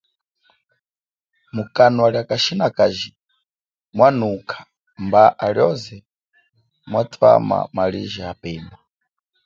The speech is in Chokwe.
Mukanwa lia kashinakaji mwanukha, mba alioze mwatwama maliji apema.